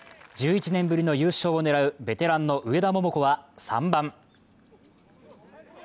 １１年ぶりの優勝を狙うベテランの上田桃子は３番。